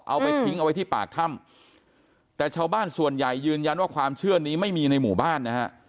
เอาไปทิ้งเอาไว้ที่ปากถ้ำแต่ชาวบ้านส่วนใหญ่ยืนยันว่าความเชื่อนี้ไม่มีในหมู่บ้านนะฮะ